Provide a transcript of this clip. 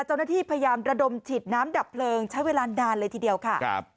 เจ้าหน้าที่พยายามระดมฉีดน้ำดับเพลิงใช้เวลานานเลยทีเดียวค่ะครับ